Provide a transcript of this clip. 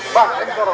pak ini turun